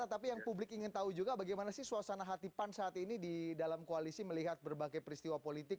tapi yang publik ingin tahu juga bagaimana sih suasana hati pan saat ini di dalam koalisi melihat berbagai peristiwa politik